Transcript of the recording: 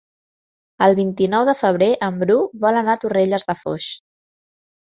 El vint-i-nou de febrer en Bru vol anar a Torrelles de Foix.